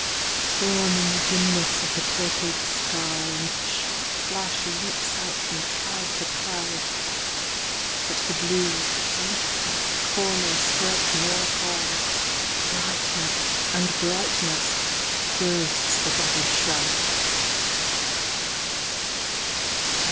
Storm in the dimness of the purpled sky, And the sharp flash leaps out from cloud to cloud : But the blue, lifted, comer spreads more high. Brightness, and brightness, bursts the gathered shroud.